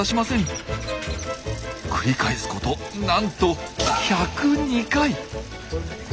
繰り返すことなんと１０２回！